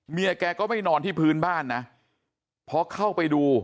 เมียแกก็ไม่นอนที่พื้นบ้านนะพอเข้าไปดู